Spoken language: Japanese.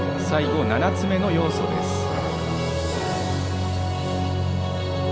最後７つ目の要素です。